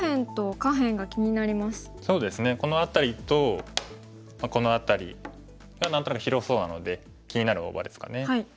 そうですねこの辺りとこの辺りが何となく広そうなので気になる大場ですかね。